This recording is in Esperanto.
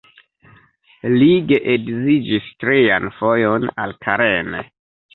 Li geedziĝis trian fojon, al Karen.